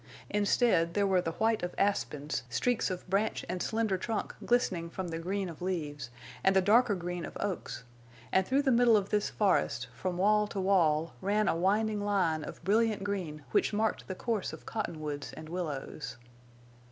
Instead there were the white of aspens, streaks of branch and slender trunk glistening from the green of leaves, and the darker green of oaks, and through the middle of this forest, from wall to wall, ran a winding line of brilliant green which marked the course of cottonwoods and willows.